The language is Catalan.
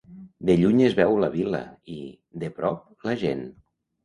De lluny es veu la vila i, de prop, la gent.